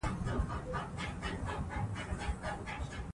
خیرات ورکول برکت راوړي.